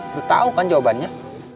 udah tau kan jawabannya